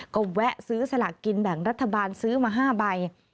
ก็แวะซื้อสลากกินแบ่งรัฐบาลซื้อมา๕ใบ